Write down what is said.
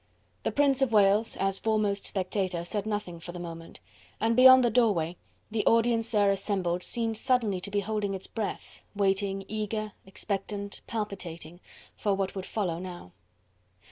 The Prince of Wales as foremost spectator said nothing for the moment, and beyond the doorway, the audience there assembled seemed suddenly to be holding its breath, waiting eager, expectant, palpitation for what would follow now.